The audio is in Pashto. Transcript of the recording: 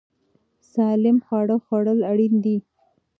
سالم خواړه خوړل اړین دي.